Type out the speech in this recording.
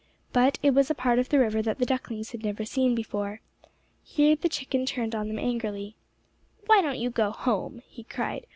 But it was a part of the river that the ducklings had never seen before. Here the chicken turned on them angrily. "Why don't you go home?" he cried.